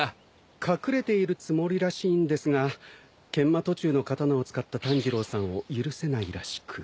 隠れているつもりらしいんですが研磨途中の刀を使った炭治郎さんを許せないらしく。